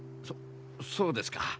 そそうですか。